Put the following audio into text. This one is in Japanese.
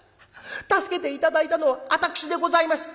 助けて頂いたのは私でございます」。